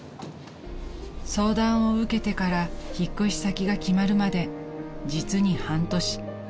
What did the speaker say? ［相談を受けてから引っ越し先が決まるまで実に半年］